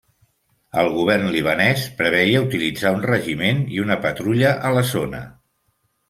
El govern libanès preveia utilitzar un regiment i una patrulla a la zona.